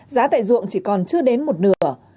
giá tại ruộng chỉ còn chưa đến một nửa